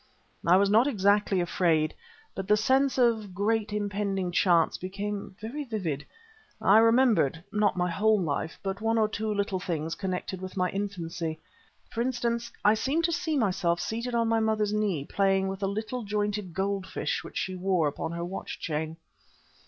I was not exactly afraid, but the sense of some great, impending change became very vivid. I remembered not my whole life, but one or two odd little things connected with my infancy. For instance, I seemed to see myself seated on my mother's knee, playing with a little jointed gold fish which she wore upon her watch chain.